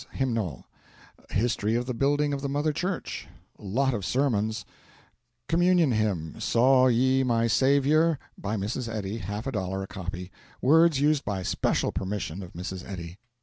Hymnal; History of the building of the Mother Church; lot of Sermons; Communion Hymn, 'Saw Ye My Saviour,' by Mrs. Eddy, half a dollar a copy, 'words used by special permission of Mrs. Eddy.'